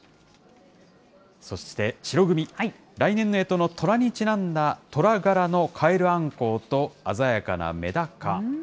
そして、白組、来年のえとのとらにちなんだ、虎柄のカエルアンコウと、鮮やかなメダカ。